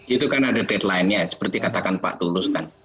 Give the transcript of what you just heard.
itu kan ada deadline nya seperti katakan pak tulus kan